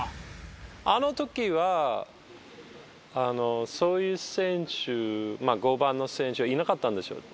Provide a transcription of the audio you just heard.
あの時はそういう選手まあ５番の選手はいなかったんですよ。